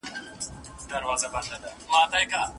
پر خاوند باندي د ميرمني انا هم حرامه ده.